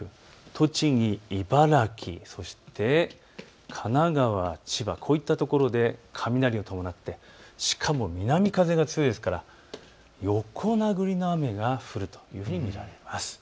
栃木、茨城、そして神奈川、千葉、こういったところで雷を伴ってしかも南風が強いですから横殴りの雨が降るというふうに見られます。